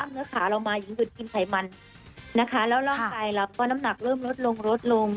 เนื้อขาเรามาหญิงหยุดกินไขมันนะคะแล้วร่างกายเราก็น้ำหนักเริ่มลดลงลดลง